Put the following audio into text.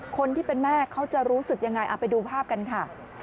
คนที่เป็นแม่เขาจะรู้สึกยังไงเอาไปดูภาพกันค่ะ